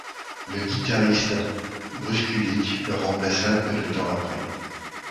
Le guitariste Bruce Kulick le remplaça peu de temps après.